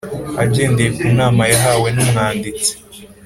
agendeye ku nama yahawe n Umwanditsi